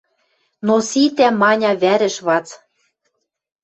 Но ситӓ, Маня, вӓрӹш вац